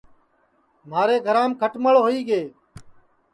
مھارے گھرام کھٹݪ ہوئی گے